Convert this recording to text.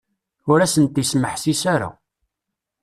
Ur asent-ismeḥsis ara.